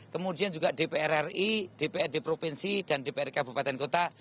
kemudian juga dpr ri dpr di provinsi dan dprk bupatan kota